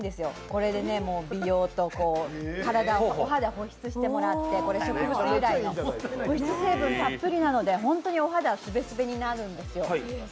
これで美容でお肌を保湿してもらって植物由来の保湿成分たっぷりなので本当にお肌すべすべになるんですよ。